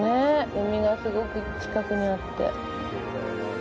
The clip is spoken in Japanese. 海が、すごく近くにあって。